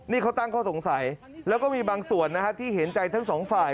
นี่เขาตั้งข้อสงสัยแล้วก็มีบางส่วนนะฮะที่เห็นใจทั้งสองฝ่าย